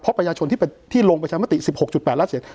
เพราะประชาชนที่เป็นที่โรงประชามติสิบหกจุดแปดละเศษ